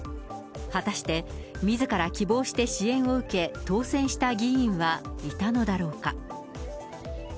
果たして、みずから希望して支援を受け、当選した議員はいたのだろうか。